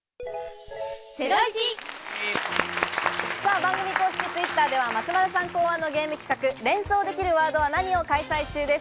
番組公式Ｔｗｉｔｔｅｒでは、松丸さん考案のゲーム企画、「連想できるワードは何！？」を開催中です。